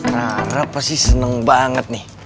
rara pasti seneng banget nih